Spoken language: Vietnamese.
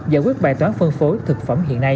giải quyết bài toán phân phối thực phẩm hiện nay